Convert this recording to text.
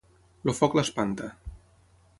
El foc l'espanta.